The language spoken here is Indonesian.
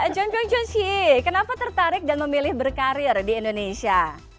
junpyung junshie kenapa tertarik dan memilih berkarir di indonesia